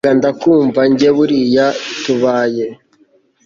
vuga ndakumva! njye buriya tubaye